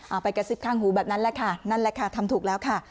ไปกระซิบข้างหูแบบนั้นแหละค่ะนั่นแหละค่ะทำถูกแล้วค่ะ